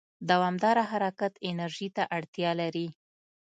دوامداره حرکت انرژي ته اړتیا لري.